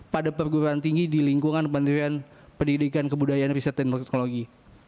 pendidikan tinggi pada perguruan tinggi di lingkungan pendidikan kebudayaan riset teknologi